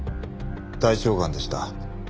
大腸がんでした。